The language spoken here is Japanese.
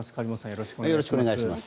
よろしくお願いします。